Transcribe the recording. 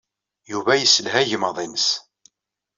Yuba yesselha igmaḍ-nnes.